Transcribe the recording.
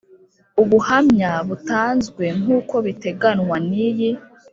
Ubuhamya butanzwe nk uko biteganwa n iyi